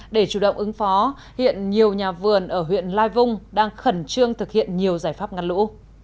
để chủ động ứng phó hiện nhiều nhà vườn ở huyện lai vung đang khẩn trương thực hiện nhiều giải pháp ngăn lũ